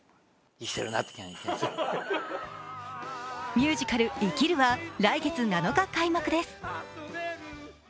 ミュージカル「生きる」は来月７日開幕です。